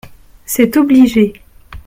C’est obligé.